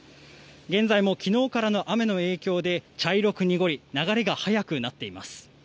現在も昨日からの雨の影響で茶色く濁り流れが速くなっています。